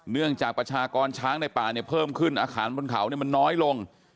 เนื่องจากประชากรช้างในป่าเนี่ยเพิ่มขึ้นอาคารบนเขามันน้อยลง